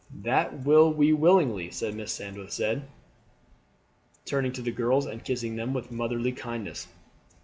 "That will we willingly," Mrs. Sandwith said, turning to the girls and kissing them with motherly kindness.